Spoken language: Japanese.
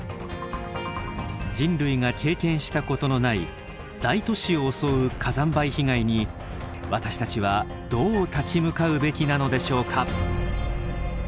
人類が経験したことのない大都市を襲う火山灰被害に私たちはどう立ち向かうべきなのでしょうか。